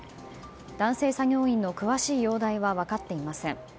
男性作業員の詳しい容体は分かっていません。